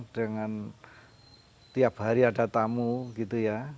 dengan tiap hari ada tamu gitu ya